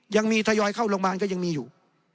ยังมีทยอยเข้าโรงพยาบาลก็ยังมีอยู่